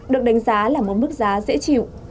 được đánh giá là một mức giá dễ chịu